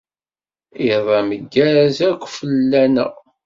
Iḍ ameggaz akk fell-aneɣ.